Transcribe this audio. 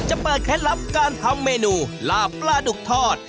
เปิดเคล็ดลับการทำเมนูลาบปลาดุกทอด